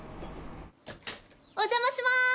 お邪魔します！